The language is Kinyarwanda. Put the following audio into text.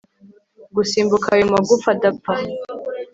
gusimbuka ayo magufa adapfa